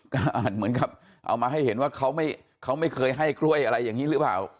ก็อ่านเหมือนกับเอามาให้เห็นว่าเขาไม่เคยให้กล้วยอะไรอย่างนี้หรือเปล่า